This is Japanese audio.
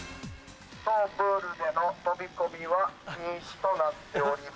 当プールでの飛び込みは禁止となっております。